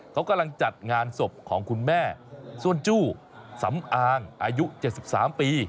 เขากำลังจัดงานศพของคุณแม่ส้วนจู้สำอางอายุ๗๓ปี